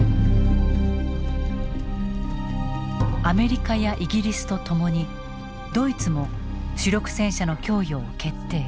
アメリカやイギリスとともにドイツも主力戦車の供与を決定。